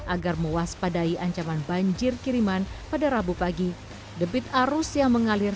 agar mewaspadai ancaman banjir kiriman pada rabu pagi debit arus yang mengalir